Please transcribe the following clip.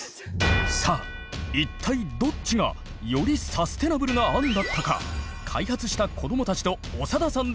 さあ一体どっちがよりサステナブルな案だったか開発した子どもたちと長田さんで判定！